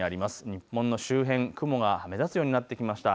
日本の周辺、雲が目立つようになってきました。